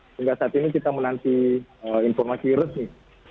sehingga saat ini kita menanti informasi resmi